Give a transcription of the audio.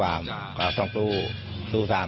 และก็เผ่า